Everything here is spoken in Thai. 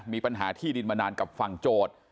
มีปัญหาที่ดินมานานกับฝั่งโจทย์